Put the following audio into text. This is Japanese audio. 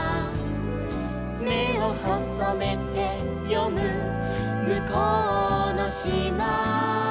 「めをほそめてよむむこうのしま」